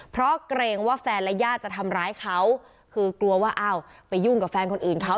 เพราะเกรงว่าแฟนและญาติจะทำร้ายเขาคือกลัวว่าอ้าวไปยุ่งกับแฟนคนอื่นเขา